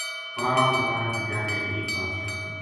پرانا زمانا کی گل ہے ایک بادشاہ تھو